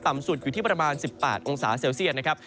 สุดอยู่ที่ประมาณ๑๘องศาเซลเซียตนะครับ